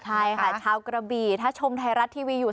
ใช่ค่ะชาวกระบี่ถ้าชมไทยรัฐทีวีอยู่